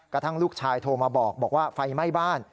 กระทั่งลูกชายโทรมาบอกว่าไฟไหม้บ้าน